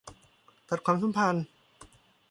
ตัดความสัมพันธ์